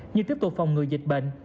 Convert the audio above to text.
như tiếp tục phòng người dịch bệnh